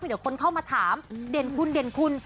เดี๋ยวคนเข้ามาถามเด่นคุณเด่นคุณ